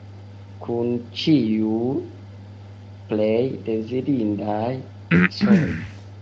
Kun ĉiuj plej dezirindaj ecoj.